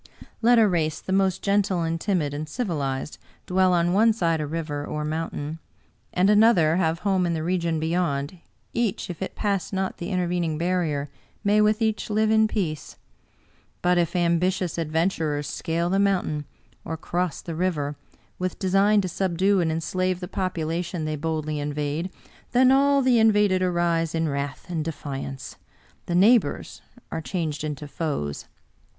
Let a race the most gentle and timid and civilized dwell on one side a river or mountain, and another have home in the region beyond, each, if it pass not the in tervening barrier, may with each live in peace. But if ambitious adventurers scale the mountain, or cross the river, with design to subdue and enslave the population they boldly invade, then all the invaded arise in wrath and de fiance — the neighbors are changed into foes.